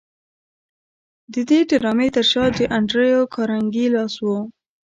د دې ډرامې تر شا د انډریو کارنګي لاس و